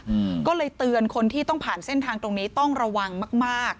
อืมก็เลยเตือนคนที่ต้องผ่านเส้นทางตรงนี้ต้องระวังมากมาก